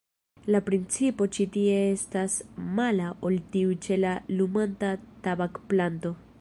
La principo ĉi tie estas mala ol tiu ĉe la lumanta tabakplanto.